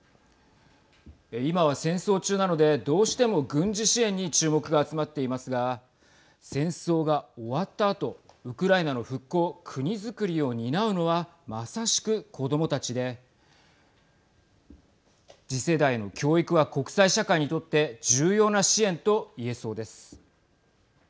今は戦争中なのでどうしても軍事支援に注目が集まっていますが戦争が終わったあとウクライナの復興、国造りを担うのはまさしく子どもたちで次世代の教育は国際社会にとって重要な支援と言えそうです。